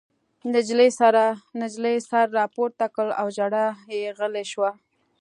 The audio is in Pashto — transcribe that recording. نجلۍ سر راپورته کړ او ژړا یې غلې شوه